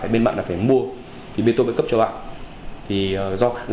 bên bạn phải mua bên tôi mới cấp cho bạn